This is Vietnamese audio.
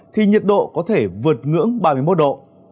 thì nhiệt độ có thể vượt ngưỡng ba mươi một độ